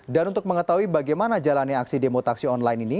dan untuk mengetahui bagaimana jalannya aksi demotaksi online ini